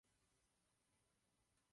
Padly zde otázky na úlohu Komise.